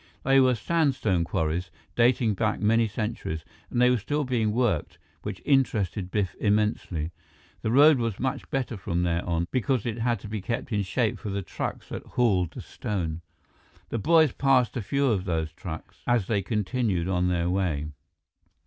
They were sandstone quarries, dating back many centuries, and they were still being worked, which interested Biff immensely. The road was much better from then on, because it had to be kept in shape for the trucks that hauled the stone. The boys passed a few of those trucks as they continued on their way.